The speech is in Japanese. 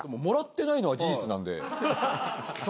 もらってないのは事実なんで。